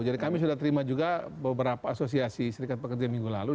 jadi kami sudah terima juga beberapa asosiasi serikat pekerja minggu lalu